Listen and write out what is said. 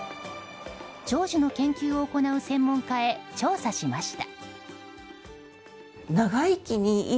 長寿の研究を行う専門家に調査しました。